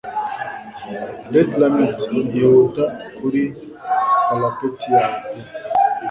Bedlamite yihuta kuri parapeti yawe pe